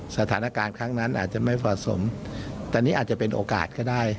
สถานการณ์ครั้งนั้นอาจจะไม่เหมาะสมแต่นี่อาจจะเป็นโอกาสก็ได้